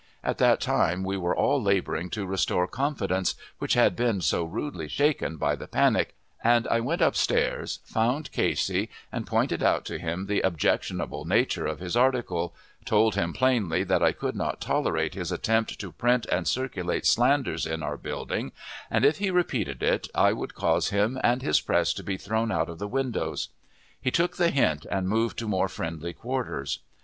At that time we were all laboring to restore confidence, which had been so rudely shaken by the panic, and I went up stairs, found Casey, and pointed out to him the objectionable nature of his article, told him plainly that I could not tolerate his attempt to print and circulate slanders in our building, and, if he repeated it, I would cause him and his press to be thrown out of the windows. He took the hint and moved to more friendly quarters.